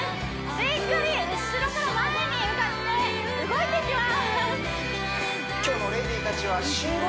しっかり後ろから前に向かって動いていきます